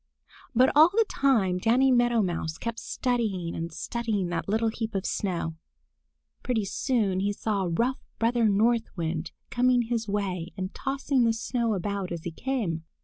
But all the time Danny Meadow Mouse kept studying and studying that little heap of snow. Pretty soon he saw rough Brother North Wind coming his way and tossing the snow about as he came.